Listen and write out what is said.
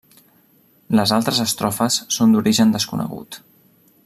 Les altres estrofes són d'origen desconegut.